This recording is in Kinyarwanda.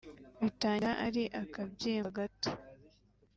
Bitangira ari akabyimba gato